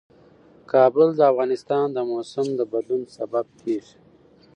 کابل د افغانستان د موسم د بدلون سبب کېږي.